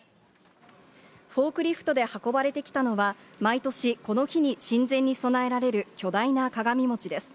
フォークリフトで運ばれてきたのは、毎年、この日に神前に供えられる巨大な鏡餅です。